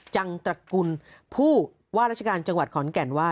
จังตระกุลผู้ว่าราชการจังหวัดขอนแก่นว่า